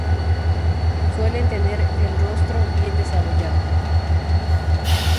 Suelen tener el rostro bien desarrollado.